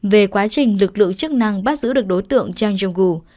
về quá trình lực lượng chức năng bắt giữ được đối tượng giang jong gu